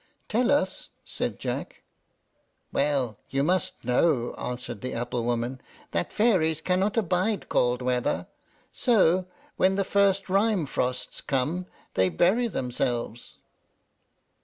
"Tell us," said Jack. "Well, you must know," answered the apple woman, "that fairies cannot abide cold weather; so, when the first rime frost comes, they bury themselves."